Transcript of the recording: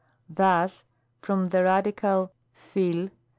Thus Jfrom the radical (pcT.